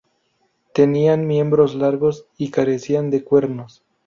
Tenían miembros largos y carecían de cuernos.